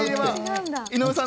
井上さん